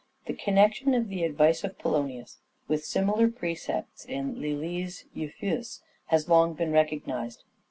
The connection of the advice of Polonius with similar precepts in Lyly's " Euphues " has long been recognized.